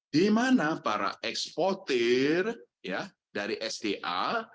di mana para eksportir dari sda